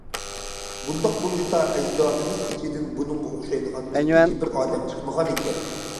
بۇنداق بولۇشتا، ئەجدادىمىز ئىچىدىن بۇنىڭغا ئوخشايدىغان ئىككىنچى بىر ئادەم چىقمىغانىكەن.